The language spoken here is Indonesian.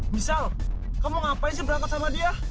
misal kamu ngapain sih berangkat sama dia